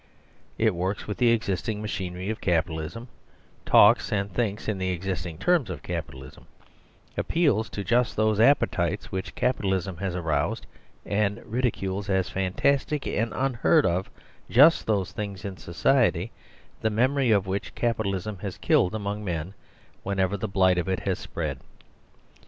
It works with the existing machinery of Capitalism, talks and % thinks in the existing terms of Capitalism, appeals to just those appetites which Capitalism has aroused, and ridicules as fantastic and unheard of just those things in society the memory of which Capitalism has killed among men wherever the blight of it has spread.